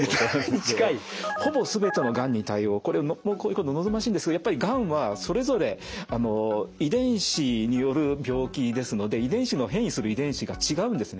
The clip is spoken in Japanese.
これ望ましいんですがやっぱりがんはそれぞれ遺伝子による病気ですので遺伝子の変異する遺伝子が違うんですね。